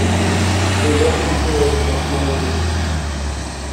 They walk in pairs or small groups.